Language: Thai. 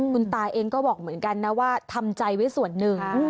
คุณตาเองก็บอกเหมือนกันนะว่าทำใจไว้ส่วนหนึ่ง